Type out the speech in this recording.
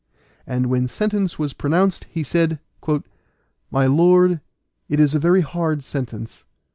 And when sentence was pronounced, he said, "My lord, it is a very hard sentence.